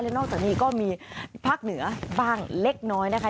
นอกจากนี้ก็มีภาคเหนือบ้างเล็กน้อยนะคะ